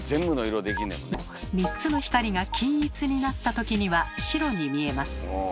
なお３つの光が均一になった時には白に見えます。